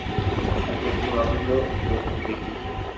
আপনি একটি মাত্র লোককে দেখিতেছেন।